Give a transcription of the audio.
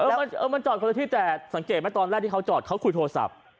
มันจอดคนละที่แต่สังเกตไหมตอนแรกที่เขาจอดเขาคุยโทรศัพท์